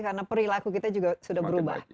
karena perilaku kita juga sudah berubah